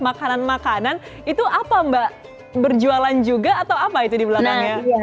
makanan makanan itu apa mbak berjualan juga atau apa itu di belakangnya